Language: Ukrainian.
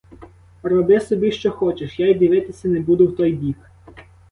Роби собі, що хочеш, я й дивитися не буду в той бік.